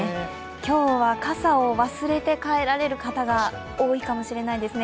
今日は傘を忘れて帰られる方が多いかもしれないですね。